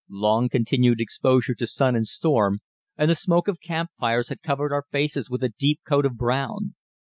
Long continued exposure to sun and storm and the smoke of campfires had covered our faces with a deep coat of brown.